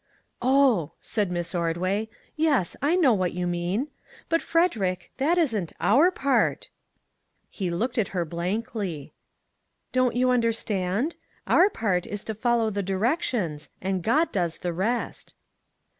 " Oh," said Miss Ordway, " yes, I know what you mean; but, Frederick, that isn't our part," He looked at her blankly. 286 "WHAT MADE YOU CHANGE?" " Don't you understand ? Our part is to fol low the directions, and God does the rest."